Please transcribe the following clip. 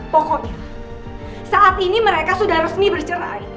pohonnya saat ini mereka sudah resmi bercerai